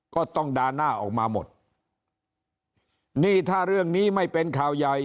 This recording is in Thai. ก็ต้องด่าหน้าออกมาหมดนี่ถ้าเรื่องนี้ไม่เป็นข่าวใหญ่